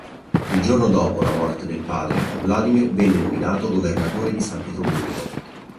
Il giorno dopo la morte del padre Vladimir venne nominato Governatore di San Pietroburgo.